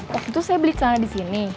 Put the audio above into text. waktu itu saya beli celana di sini